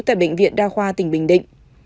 tại bệnh viện đa khoa tỉnh bình định